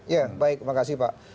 ya baik makasih pak